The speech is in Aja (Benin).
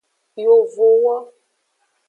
Yovowo.